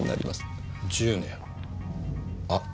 あっ。